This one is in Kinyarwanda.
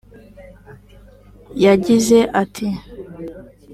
yagize iti